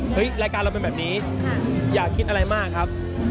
รายการเราเป็นแบบนี้อย่าคิดอะไรมากครับ